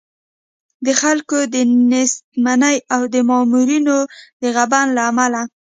د خلکو د نېستمنۍ او د مامورینو د غبن له امله.